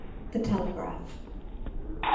The Telegraph M.